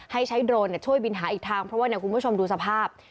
ให้ใช้โดรนช่วยบินหาอีกทางเพราะว่าคุณผู้ชมดูสภาพ